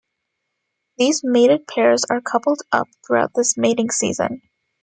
These mated pairs are coupled-up throughout the mating season.